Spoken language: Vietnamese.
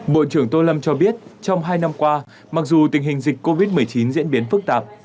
bộ trưởng tô lâm cho biết trong hai năm qua mặc dù tình hình dịch covid một mươi chín diễn biến phức tạp